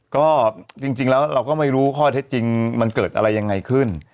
ก็จริงแล้วเราก็ไม่รู้ข้อเท็จจริงมันเกิดอะไรยังไงขึ้น